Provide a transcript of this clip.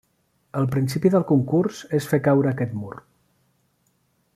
El principi del concurs és fer caure aquest mur.